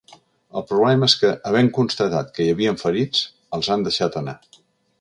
El problema és que, havent constatat que hi havien ferits, els han deixat anar.